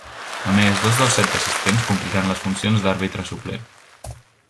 A més, dos dels set assistents compliran les funcions d'àrbitre suplent.